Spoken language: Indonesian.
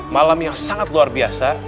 malam yang sangat luar biasa